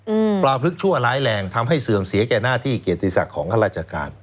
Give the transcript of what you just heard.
อืมปลาพลึกชั่วร้ายแรงทำให้เสื่อมเสียแก่หน้าที่เกียรติศักดิ์ของข้าราชการ